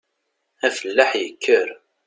Afellaḥ yekker.